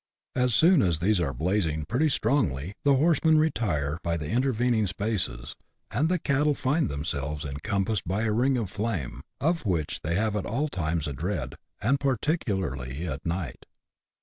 As soon as these are blazing pretty strongly, the horsemen retire by the intervening spaces, and the cattle find themselves encom passed by a ring of flame, of which they have at all times a dread, and particularly at night.